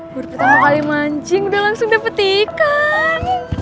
baru pertama kali mancing udah langsung dapet ikan